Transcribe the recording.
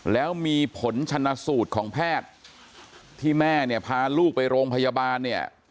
แล้วมีผลชนะสูตรของแพทย์ที่แม่เนี่ยพาลูกไปโรงพยาบาลเนี่ย